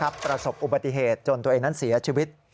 ประสบอุบัติเหตุจนตัวเองนั้นเสียชีวิต